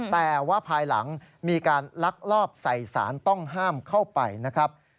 แต่ว่าภายหลังมีการลักลอบใส่สารต้องห้ามเข้าไปนะครับ